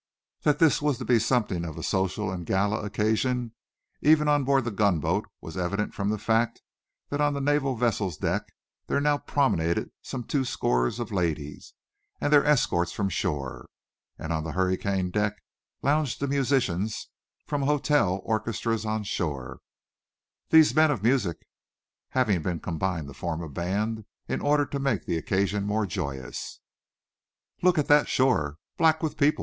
That this was to be something of a social and gala occasion, even on board the gunboat, was evident from the fact that on the naval vessel's decks there now promenaded some two score of ladies and their escorts from shore, and on the hurricane deck lounged musicians from hotel orchestras on shore, these men of music having been combined to form a band, in order to make the occasion more joyous. "Look at that shore, black with people!"